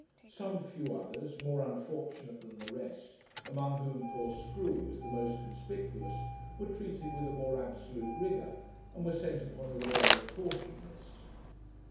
Some few others, more unfortunate than the rest, among whom poor Screwy was the most conspicuous, were treated with a more absolute rigour, and were sent upon the world portionless.